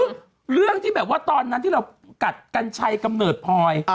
คือเรื่องที่แบบว่าตอนนั้นที่เรากัดกัญชัยกำเนิดพลอย